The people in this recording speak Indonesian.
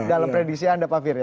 dalam prediksi anda pak fir ya